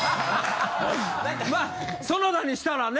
まあ園田にしたらね。